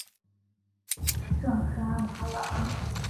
圣沙马朗。